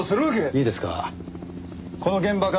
いいですか？